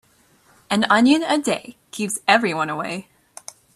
An onion a day keeps everyone away.